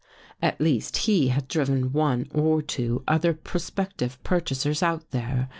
At least he had driven one or two other prospective purchasers out there.